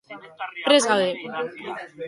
Prest gaude.